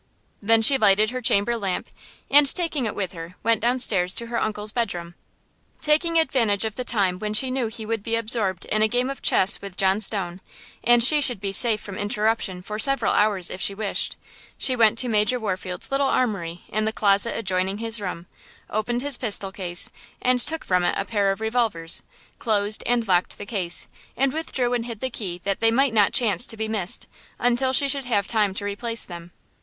Then she lighted her chamber lamp, and, taking it with her, went down stairs to her uncle's bedroom. Taking advantage of the time when she knew he would be absorbed in a game of chess with John Stone, and she should be safe from interruption for several hours if she wished, she went to Major Warfield's little armory in the closet adjoining his room, opened his pistol case and took from it a pair of revolvers, closed and locked the case, and withdrew and hid the key that they might not chance to be missed until she should have time to replace them.